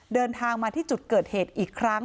เดินทางมาที่จุดเกิดเหตุอีกครั้ง